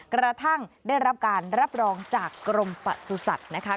กระทั่งได้รับการรับรองจากกรมประสุทธิ์นะคะ